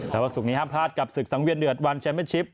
และวันศุกร์นี้ห้ามพลาดกับศึกษังเวียดเหนือดวันแชมป์เชียมชิป